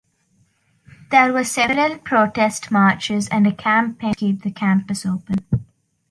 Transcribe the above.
There were several protest marches and a campaign to keep the campus open.